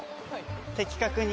的確に。